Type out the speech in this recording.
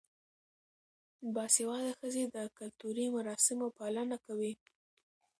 باسواده ښځې د کلتوري مراسمو پالنه کوي.